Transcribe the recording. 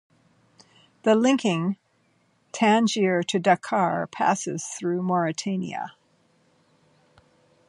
The linking Tangier to Dakar passes through Mauritania.